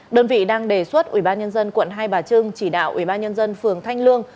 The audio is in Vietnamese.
đơn vị đang đề xuất ubnd quận hai bà trưng chỉ đạo ubnd phường thanh lương